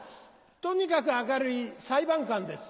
とにかく明るい裁判官です。